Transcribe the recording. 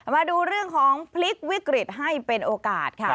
มาดูเรื่องของพลิกวิกฤตให้เป็นโอกาสค่ะ